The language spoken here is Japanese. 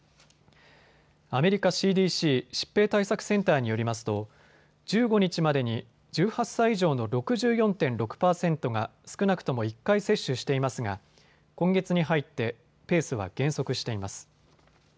アメリカＣＤＣ・疾病対策センターによりますと１５日までに１８歳以上の６４．６％が少なくとも１回接種していますが今月に入ってペースは減速しています。